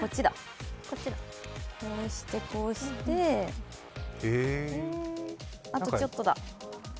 こうして、こうしてあとちょっとだ。